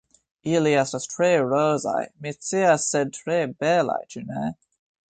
Ili estas tre rozaj, mi scias sed tre belaj, ĉu ne?